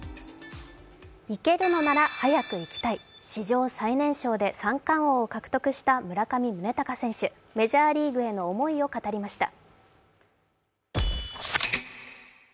行けるのなら早く行きたい史上最年少で三冠王を獲得した村上宗隆選手メジャーリーグへの思いを語りました。